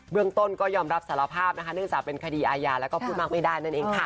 เรื่องต้นก็ยอมรับสารภาพนะคะเนื่องจากเป็นคดีอาญาแล้วก็พูดมากไม่ได้นั่นเองค่ะ